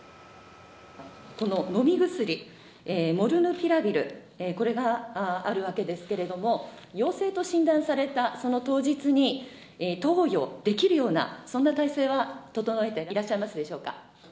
この飲み薬、モルヌピラビル、これがあるわけですけれども、陽性と診断されたその当日に、投与できるような、そんな態勢は整えていらっしゃいますでしょうか。